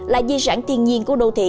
là di sản tiên nhiên của đô thị